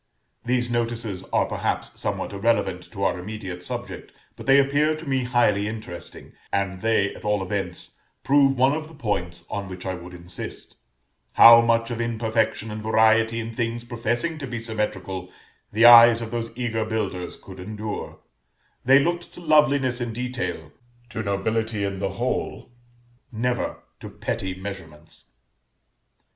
(These notices are perhaps somewhat irrelevant to our immediate subject, but they appear to me highly interesting; and they, at all events, prove one of the points on which I would insist, how much of imperfection and variety in things professing to be symmetrical the eyes of those eager builders could endure: they looked to loveliness in detail, to nobility in the whole, never to petty measurements.)